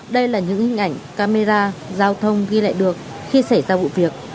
đây là những hình ảnh camera giao thông ghi lại được khi xảy ra vụ việc